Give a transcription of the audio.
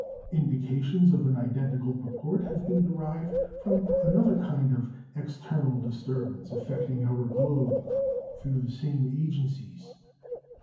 Indications of an identical purport have been derived from another kind of external disturbance, affecting our globe through the same agencies.